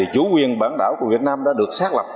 chủ quyền bản đảo của việt nam đã được xác lập